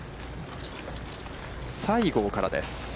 西郷からです。